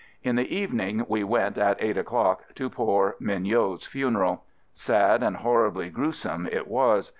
In the evening we went, at eight o'clock, to poor Mignot's funeral. Sad and horribly gruesome it was.